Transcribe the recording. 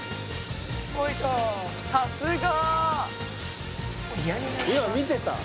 「さすが」今見てた？